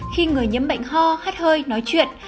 khi người nhiễm bệnh ho hắt hơi nói chuyện